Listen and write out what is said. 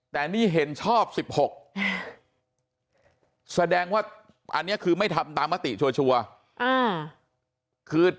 แต่นี่เห็นชอบ๑๖แสดงว่าอันนี้คือไม่ทำตามมติชัวร์